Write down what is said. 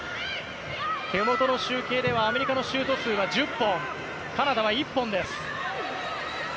手元の集計ではアメリカのシュート数は１０本カナダは１本です。